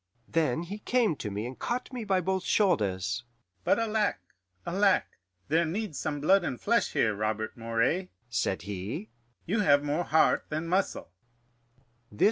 "Then he came to me and caught me by both shoulders. 'But alack, alack! there needs some blood and flesh here, Robert Moray,' said he. 'You have more heart than muscle.